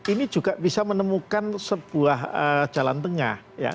ini juga bisa menemukan sebuah jalan tengah